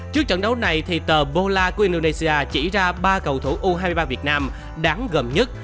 trước trận đấu này thì tờ bollah của indonesia chỉ ra ba cầu thủ u hai mươi ba việt nam đáng gần nhất